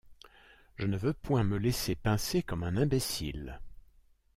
Je ne veux point me laisser pincer comme un imbécile...